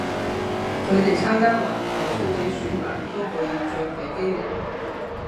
佢哋參加環球小姐選拔都可以着比基尼